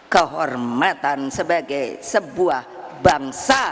kehormatan sebagai sebuah bangsa